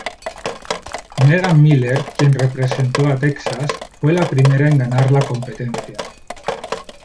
Meghan Miller, quien representó a Texas, fue la primera en ganar la competencia.